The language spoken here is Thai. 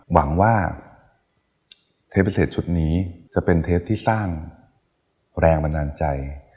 หวังว่าเทปพิเศษชุดนี้จะเป็นเทปที่สร้างแรงบันดาลใจ